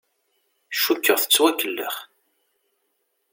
Cukkeɣ tettwakellex.